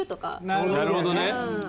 なるほどねうん。